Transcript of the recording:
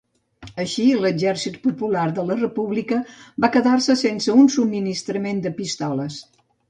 Així, l'Exèrcit Popular de la República va quedar-se sense un subministrament de pistoles.